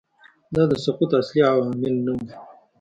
دا د سقوط اصلي عوامل نه وو